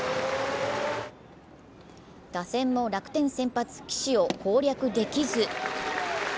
打線も楽天先発・岸を攻略できず。